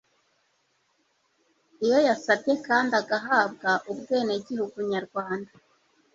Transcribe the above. Iyo yasabye kandi agahabwa ubwenegihugu nyarwanda